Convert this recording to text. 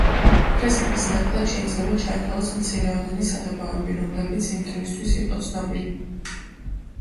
ფრესკების ნაკლად შეიძლება ჩაითვალოს მცირეოდენი საღებავები, რომლებიც იმ დროისთვის იყო ცნობილი.